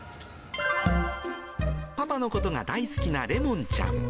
パパのことが大好きなレモンちゃん。